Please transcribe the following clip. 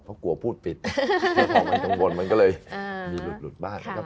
เขากลัวพูดปิดนักฐาวมันตรงบนก็เลยหลุดบ้าน